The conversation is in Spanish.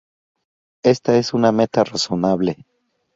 Esta es una meta razonable.